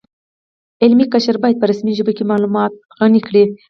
علمي قشر باید په رسمي ژبو کې معلومات غني کړي